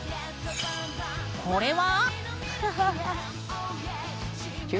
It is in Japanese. これは？